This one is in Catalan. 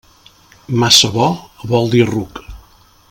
Massa bo, vol dir ruc.